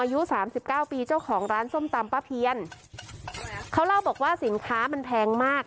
อายุสามสิบเก้าปีเจ้าของร้านส้มตำป้าเพียนเขาเล่าบอกว่าสินค้ามันแพงมาก